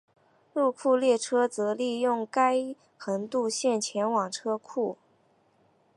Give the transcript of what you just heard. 入库列车则利用该横渡线前往车库。